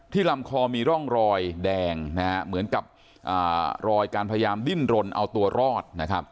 ลำคอมีร่องรอยแดงเหมือนกับรอยการพยายามดิ้นรนเอาตัวรอดนะครับ